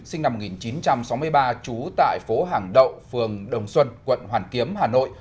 sinh năm một nghìn chín trăm sáu mươi ba trú tại phố hàng đậu phường đồng xuân quận hoàn kiếm hà nội